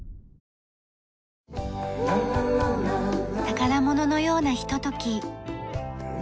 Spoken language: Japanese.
宝物のようなひととき。